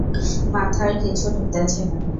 মাথায় কিছু ঢুকতেছে না।